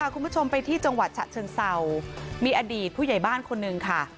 คุณผู้ชมไปที่จังหวัดฉะเชิงเศร้ามีอดีตผู้ใหญ่บ้านคนหนึ่งค่ะ